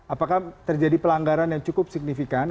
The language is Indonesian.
apakah terjadi pelanggaran yang cukup signifikan